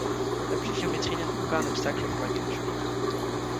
La pluviométrie n’est donc pas un obstacle pour la culture.